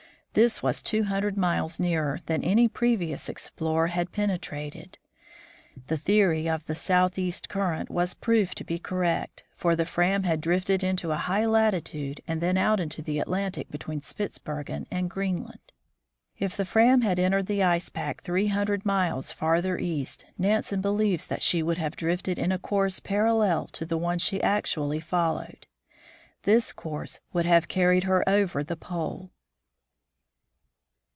This was two hundred miles nearer than any previous explorer had penetrated. The theory of the southeast current was proved to be correct, for the Pram had drifted into a high latitude, and then out into the Atlantic between Spitzbergen and Greenland. If the Pram had entered the ice pack three hundred miles farther east, Nansen believes that she would have drifted in a course parallel to the one she actually followed. This course would have carried her over the pole.